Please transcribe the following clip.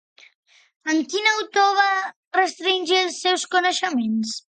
En quin autor va restringir els seus coneixements?